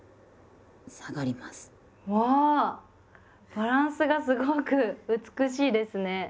バランスがすごく美しいですね。